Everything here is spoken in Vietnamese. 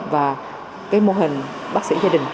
và cái mô hình bác sĩ gia đình